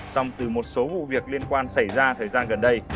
xong từ một số vụ việc liên quan xảy ra thời gian gần đây